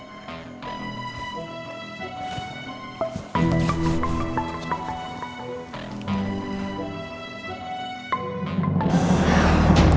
baik pak rendy